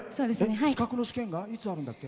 資格の試験がいつあるんだっけ？